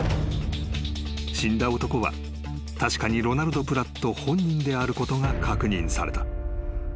［死んだ男は確かにロナルド・プラット本人であることが確認された］